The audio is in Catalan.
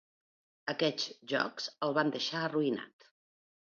Aquests jocs el van deixar arruïnat.